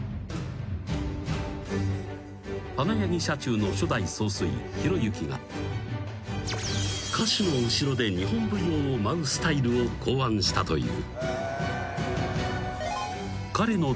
［花柳社中の初代総帥啓之が歌手の後ろで日本舞踊を舞うスタイルを考案したという］